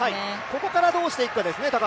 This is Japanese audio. ここからどうしていくかですね。